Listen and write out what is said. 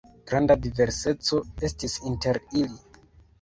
Granda diverseco estis inter ili.